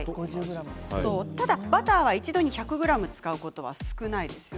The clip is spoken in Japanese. ただバターは一度に１００ｇ使うことは確かに。